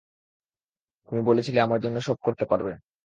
তুমি বলেছিলে আমার জন্য সব করতে পারবে।